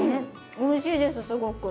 おいしいですすごく。